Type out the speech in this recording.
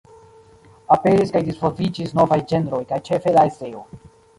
Aperis kaj disvolviĝis novaj ĝenroj kaj ĉefe la eseo.